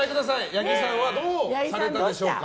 ヤギさんはどうしたでしょうか？